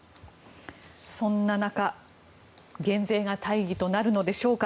そんな中減税が大義となるのでしょうか。